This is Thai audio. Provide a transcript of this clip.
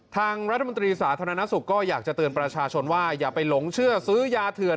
ทางรัฐมนตรีสาธารณสุขก็อยากจะเตือนประชาชนว่าอย่าไปหลงเชื่อซื้อยาเถื่อน